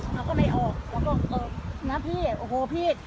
เขาก็ไม่ออกผมก็เออนะพี่โอ้โหพี่